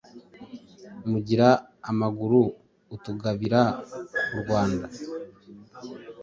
Mugira amaguru atugabira, urwanda